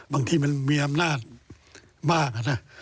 บางทีมันมีอำนาจมาก